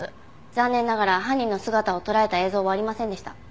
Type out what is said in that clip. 残念ながら犯人の姿を捉えた映像はありませんでした。